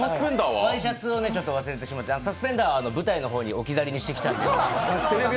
ワイシャツを忘れてしまって、サスペンダーは舞台の方に置き去りにしてきたので。